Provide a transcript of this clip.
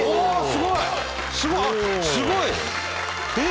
すごいね。